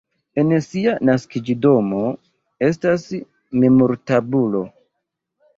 En sia naskiĝdomo estas memortabulo.